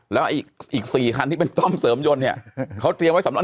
แล้วอีก๔คันที่เป็นต้อมเสริมยนต์เนี่ยเขาเตรียมไว้สำหรับ